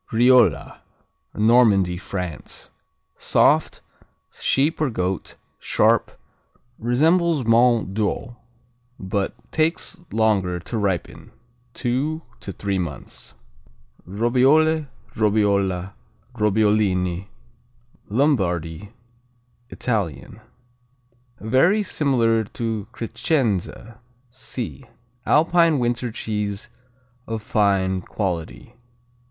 Riola Normandy, France Soft; sheep or goat; sharp; resembles Mont d'Or but takes longer to ripen, two to three months. Robbiole Robbiola Robbiolini _ Lombardy_ _ Italian_ Very similar to Crescenza (see.) Alpine winter cheese of fine quality.